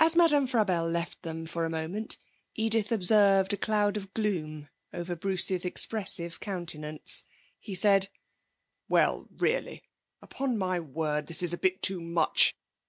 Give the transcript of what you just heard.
As Madame Frabelle left them for a moment, Edith observed a cloud of gloom over Bruce's expressive countenance. He said: 'Well, really! Upon my word! This is a bit too much!